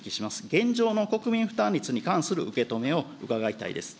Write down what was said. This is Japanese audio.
現状の国民負担率に関する受け止めを伺いたいです。